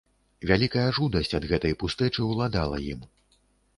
Вялікая жудасць ад гэтай пустэчы ўладала ім.